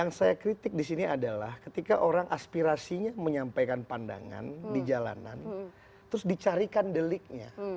yang saya kritik disini adalah ketika orang aspirasinya menyampaikan pandangan di jalanan terus dicarikan deliknya